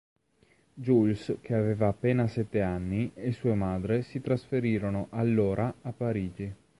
Jules, che aveva appena sette anni, e sua madre si trasferirono allora a Parigi.